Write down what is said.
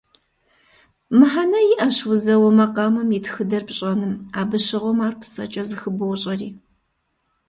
Мыхьэнэ иӀэщ узэуэ макъамэм и тхыдэр пщӀэным, абы щыгъуэм ар псэкӀэ зыхыбощӀэри.